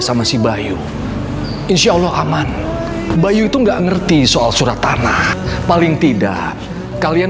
sama si bayu insya allah aman bayu itu enggak ngerti soal surat tanah paling tidak kalian